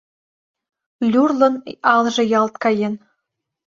Люрлын алже ялт каен.